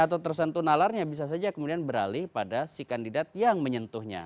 atau tersentuh nalarnya bisa saja kemudian beralih pada si kandidat yang menyentuhnya